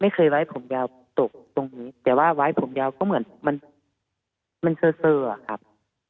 ไว้ผมยาวตกตรงนี้แต่ว่าไว้ผมยาวก็เหมือนมันเซอร์อะครับ